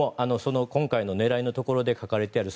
今回の狙いのところに書かれている